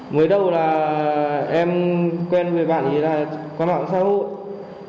mới đầu là em quen với bạn thì là có mạng xã hội